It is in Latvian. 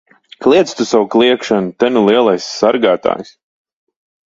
Kliedz tu tavu kliegšanu! Te nu lielais sargātājs!